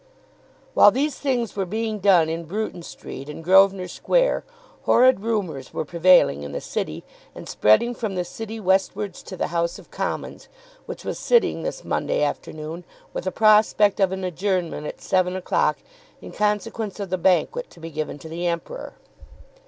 While these things were being done in Bruton Street and Grosvenor Square horrid rumours were prevailing in the City and spreading from the City westwards to the House of Commons, which was sitting this Monday afternoon with a prospect of an adjournment at seven o'clock in consequence of the banquet to be given to the Emperor.